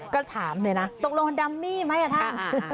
ก็ถามเลยนะตกลงดัมมี่ไหมท่าน